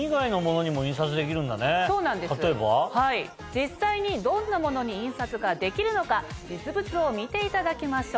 実際にどんな物に印刷ができるのか実物を見ていただきましょう。